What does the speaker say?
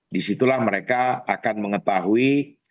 disitulah mereka akan mengetahui